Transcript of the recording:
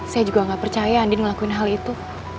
saya juga gak percaya andin ngelakuin hal itu